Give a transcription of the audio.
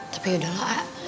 tapi yaudahlah a